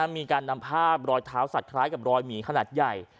มีการนำภาพรอยเท้าสัตว์คล้ายกับรอยหมีขนาดใหญ่